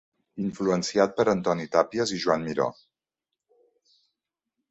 Influenciat per Antoni Tàpies i Joan Miró.